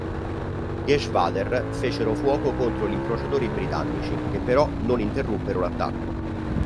Geschwader fecero fuoco contro gli incrociatori britannici, che però non interruppero l'attacco.